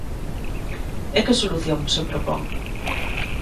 E que solución se propón?